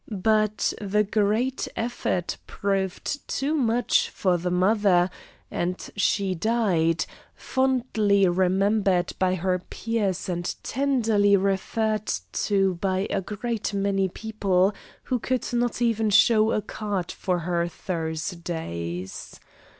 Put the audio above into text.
But the great effort proved too much for the mother, and she died, fondly remembered by her peers and tenderly referred to by a great many people who could not even show a card for her Thursdays.